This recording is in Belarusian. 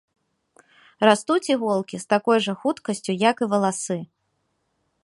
Растуць іголкі з такой жа хуткасцю, як і валасы.